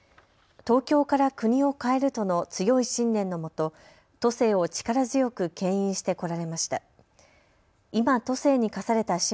東京から国を変えるとの強い信念のもと、都政を力強くけん引してこられました。